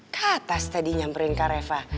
ke atas tadi nyamperin kak reva